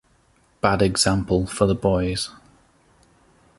Bad example for the boys.